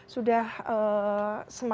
sudah menurut saya